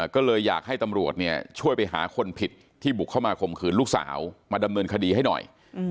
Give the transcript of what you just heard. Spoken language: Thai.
ก็เลยอยากให้ตำรวจช่วยไปหาคนผิดที่บุกเข้ามาข่มขืนลูกสาวมาดำเนินคดีให้หน่อย